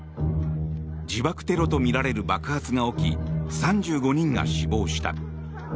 自爆テロとみられる爆発が起き３５人が死亡した。